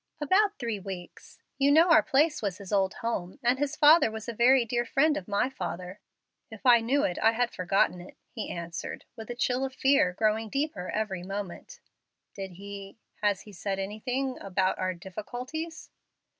"About three weeks. You know our place was his old home, and his father was a very dear friend of my father." "If I knew it I had forgotten it," he answered, with a chill of fear growing deeper every moment. "Did he has he said anything about our difficulties?"